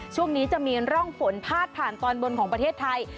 ช่วงนี้จะมีร่องฝนพาดผ่านตอนบนของประเทศไทย